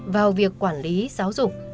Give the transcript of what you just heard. vào việc quản lý giáo dục